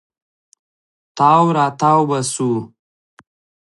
تاو راتاو به سو.